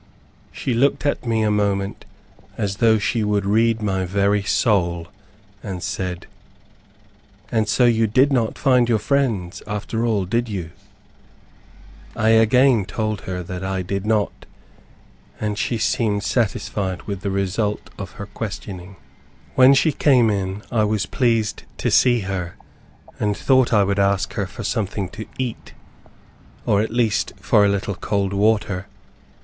She looked at me a moment as though she would read my very soul, and said, "And so you did not find your friends, after all, did you?" I again told her that I did not, and she seemed satisfied with the result of her questioning. When she came in, I was pleased to see her, and thought I would ask her for something to eat, or at least for a little cold water.